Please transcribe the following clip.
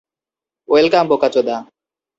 Welcome, বোকাচোদা।